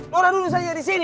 shh dona duduk saja di sini